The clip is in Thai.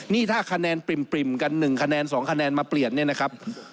นี่ถ้าคะแนนปริ่มกัน๑คะแนน๒คะแนนมาเปลี่ยนเนี่ยนะครับ